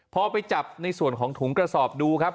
พอไปจับในส่วนของถุงกระสอบดูครับ